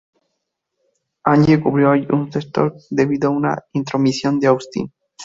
Angle cubrió a Undertaker debido a una intromisión de Austin.